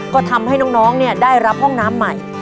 ก็ทำให้น้องได้รับห้องน้ำใหม่